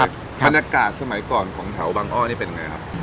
บรรยากาศสมัยก่อนของแถวบางอ้อนี่เป็นไงครับ